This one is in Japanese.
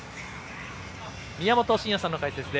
宮本慎也さんの解説で